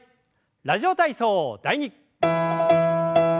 「ラジオ体操第２」。